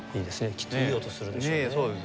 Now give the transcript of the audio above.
きっといい音するでしょうね。